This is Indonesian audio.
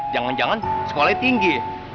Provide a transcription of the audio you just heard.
jangan jangan sekolahnya tinggi